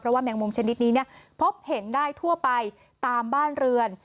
แมงมุมชนิดนี้พบเห็นได้ทั่วไปตามบ้านเรือน